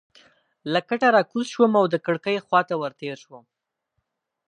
له کټه راکوز شوم او د کړکۍ خوا ته ورتېر شوم.